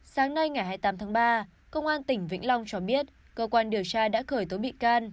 sáng nay ngày hai mươi tám tháng ba công an tỉnh vĩnh long cho biết cơ quan điều tra đã khởi tố bị can